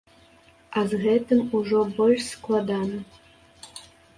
А з гэтым ужо больш складана.